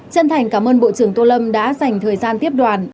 chân thành cảm ơn bộ trưởng tô lâm đã dành thời gian tiếp đoàn